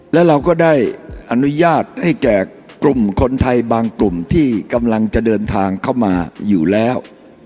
และเราก็ได้อนุญาตให้แก่กลุ่มคนไทยบางกลุ่มที่กำลังจะเดินทางเข้ามาอยู่แล้ว